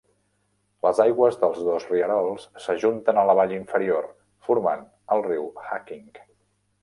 Les aigües dels dos rierols s'ajunten a la vall inferior, formant el riu Hacking.